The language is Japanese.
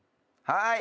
はい。